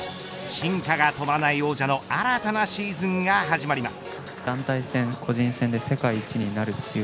進化が止まらない王者の新たなシーズンが始まります。